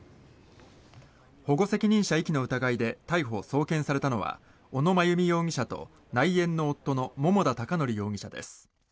保護責任者遺棄の疑いで逮捕・送検されたのは小野真由美容疑者と内縁の夫の桃田貴徳容疑者です。